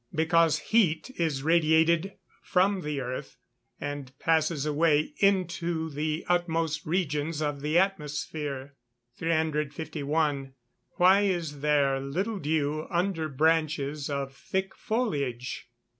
_ Because heat is radiated from the earth, and passes away into the utmost regions of the atmosphere. 351. _Why is there little dew under branches of thick foliage?